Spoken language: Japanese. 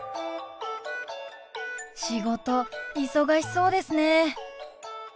仕事忙しそうですね。